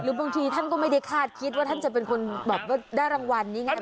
บางทีท่านก็ไม่ได้คาดคิดว่าท่านจะเป็นคนแบบว่าได้รางวัลนี้ไง